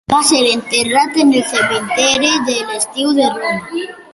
Va ser enterrat en el cementiri de l'Estiu de Roma.